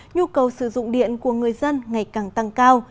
nhu cầu sử dụng điện của người dân ngày càng tăng cao